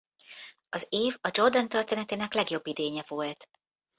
Az év a Jordan történetének legjobb idénye volt.